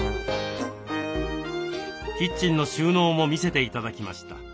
キッチンの収納も見せて頂きました。